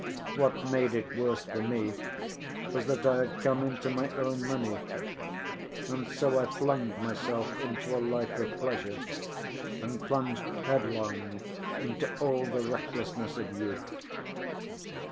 What made it worse for me was that I had come into my own money, and so I flung myself into a life of pleasure, and plunged headlong into all the recklessness of youth.